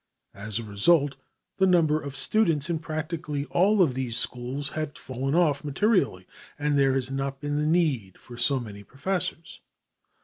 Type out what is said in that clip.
As a result the number of students in practically all of these schools has fallen off materially, and there has not been the need for so many professors.